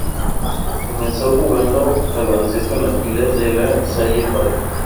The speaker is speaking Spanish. Comenzó jugando al baloncesto en las filas de La Salle Palma.